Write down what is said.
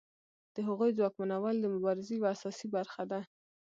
د هغوی ځواکمنول د مبارزې یوه اساسي برخه ده.